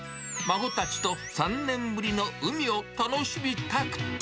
孫たちと３年ぶりの海を楽しみたくて。